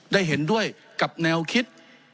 ได้เห็นด้วยกับแนวคิด